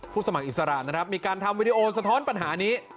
สมัครอิสระนะครับมีการทำวิดีโอสะท้อนปัญหานี้